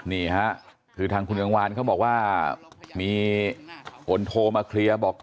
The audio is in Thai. นี่ฮะคือทางคุณกังวานเขาบอกว่ามีคนโทรมาเคลียร์บอก